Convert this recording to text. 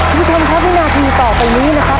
ทุกคนครับวินาทีต่อไปนี้นะครับ